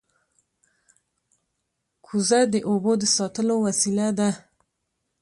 کوزه د اوبو د ساتلو وسیله ده